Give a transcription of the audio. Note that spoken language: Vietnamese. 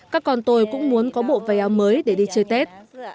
các con tôi cũng muốn có bộ váy áo mới để đi chơi tết